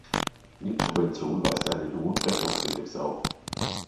Nitrobenzol weist einen hohen Brechungsindex auf.